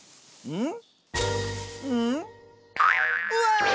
うん？